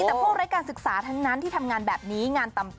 แต่พวกไร้การศึกษาทั้งนั้นที่ทำงานแบบนี้งานต่ำ